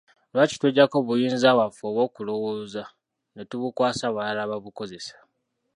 Lwaki tweggyako obuyinza bwaffe obw'okulowooza ne tubukwasa abalala babukozese?